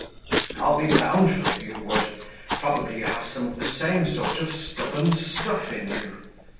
"I'll be bound for it you would; probably you have some of the same sort of stubborn stuff in you."